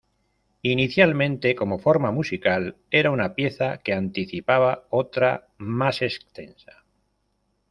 Inicialmente como forma musical, era una pieza que anticipaba otra más extensa.